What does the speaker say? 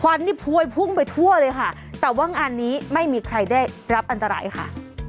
คนี่พวยพุ่งไปทั่วเลยค่ะแต่ว่างานนี้ไม่มีใครได้รับอันตรายค่ะ